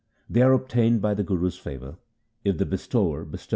4 They are obtained by the Guru's favour, if the Bestower bestow them.